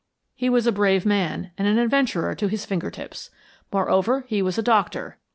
He was a brave man, and an adventurer to his finger tips. Moreover, he was a doctor.